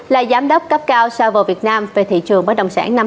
là giám đốc cấp cao sau vô việt nam về thị trường bất đồng sản năm hai nghìn hai mươi hai